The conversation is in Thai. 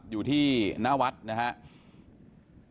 อยู่ที่นาวัฒน์นะครับ